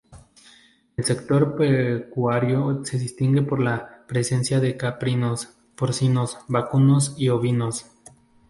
El sector pecuario se distingue por la presencia de caprinos, porcinos, vacunos y ovinos.